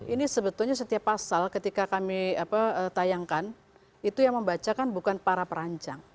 ini sebetulnya setiap pasal ketika kami tayangkan itu yang membacakan bukan para perancang